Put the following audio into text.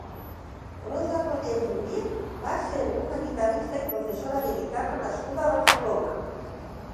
Rosa Rodés i Mir va ser una guitarrista i professora de guitarra nascuda a Barcelona.